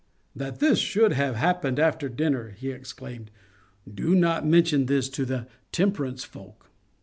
*' That this should have happened after dinner I " he exclaimed ;' do not mention this to the temperance folk."